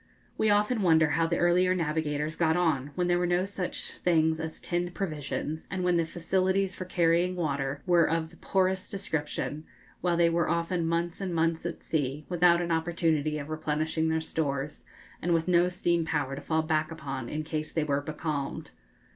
We often wonder how the earlier navigators got on, when there were no such things as tinned provisions, and when the facilities for carrying water were of the poorest description, while they were often months and months at sea, without an opportunity of replenishing their stores, and with no steam power to fall back upon in case they were becalmed.